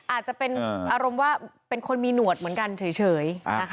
อาจจะเป็นอารมณ์ว่าเป็นคนมีหนวดเหมือนกันเฉย